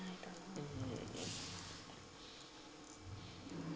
うん。